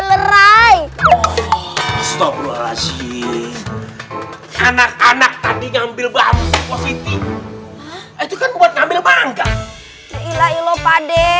hai anak anak tadi ngambil bahan itu kan buat ngambil eike ya